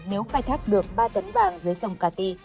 nếu khai thác được ba tấn vàng dưới sông cà ti